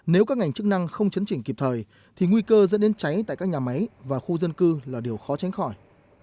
nếu các ngành chức năng không chấn chỉnh kịp thời thì nguy cơ dẫn đến cháy tại các nhà máy và khu dân cư là điều khó tránh khỏi